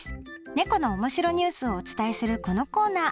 ねこの面白ニュースをお伝えするこのコーナー。